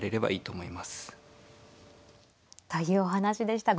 というお話でした。